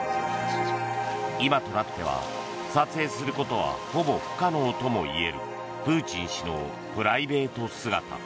今となっては撮影することはほぼ不可能ともいえるプーチン氏のプライベート姿。